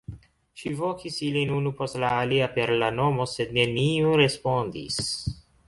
Ŝi vokis ilin unu post la alia per la nomo, sed neniu respondis.